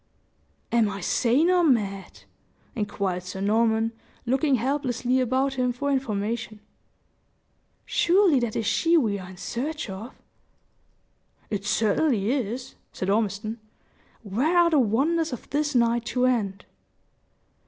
"Am I sane or mad?" inquired Sir Norman, looking helplessly about him for information. "Surely that is she we are in search of." "It certainly is!" said Ormiston. "Where are the wonders of this night to end?"